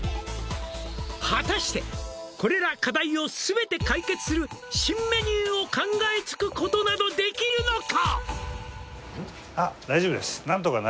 「果たしてこれら課題を全て解決する」「新メニューを考えつくことなどできるのか！？」